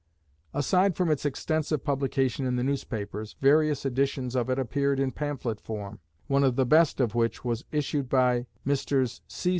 Aside from its extensive publication in the newspapers, various editions of it appeared in pamphlet form, one of the best of which was issued by Messrs.